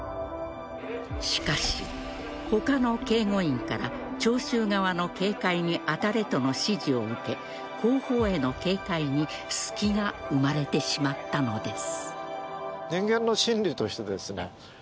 しかし、他の警護員から聴衆側の警戒に当たれとの指示を受け後方への警戒に隙が生まれてしまったのです。